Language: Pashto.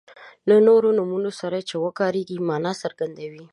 له نورو نومونو سره چې وکاریږي معنا څرګندوي.